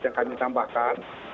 yang kami tambahkan